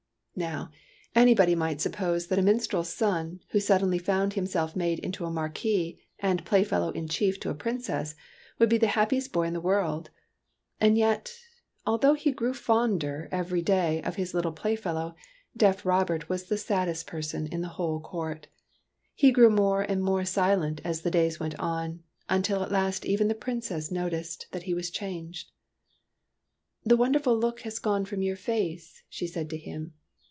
Now, anybody might suppose that a min strel's son, who suddenly found himself made into a Marquis and Playfellow in chief to a Princess, would be the happiest boy in the world. And yet, although he grew fonder every day of his little playfellow, deaf Robert was the saddest person in the whole court. He grew more and more silent as the days went on, until at last even the Princess noticed that he was changed. "The wonderful look has gone from your face," she said to him.